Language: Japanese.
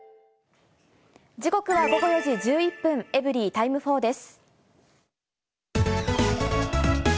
時刻は午後４時１１分、エブリィタイム４です。